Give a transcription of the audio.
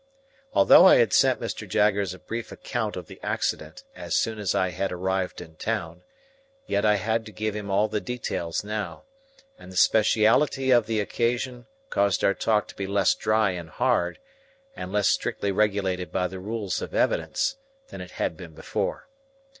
Although I had sent Mr. Jaggers a brief account of the accident as soon as I had arrived in town, yet I had to give him all the details now; and the speciality of the occasion caused our talk to be less dry and hard, and less strictly regulated by the rules of evidence, than it had been before.